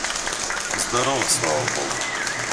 Здорова, слава Богу.